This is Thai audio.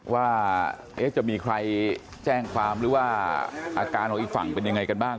ว่าจะมีใครแจ้งความหรือว่าอาการของอีกฝั่งเป็นยังไงกันบ้าง